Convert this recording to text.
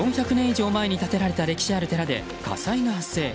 以上前に建てられた歴史ある寺で火災が発生。